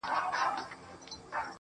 ژوند له امید نه ښکلی کېږي.